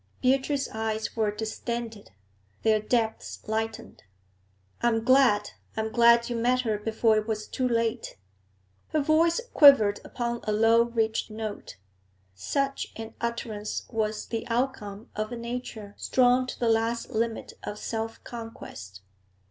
Beatrice's eyes were distended; their depths lightened. 'I am glad! I am glad you met her before it was too late!' Her voice quivered upon a low, rich note. Such an utterance was the outcome of a nature strong to the last limit of self conquest.